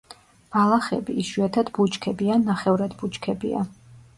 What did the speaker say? ბალახები, იშვიათად ბუჩქები ან ნახევრად ბუჩქებია.